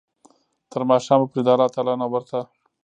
تر ماښامه پوري د الله تعالی نه ورته